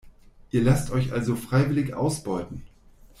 Ihr lasst euch also freiwillig ausbeuten?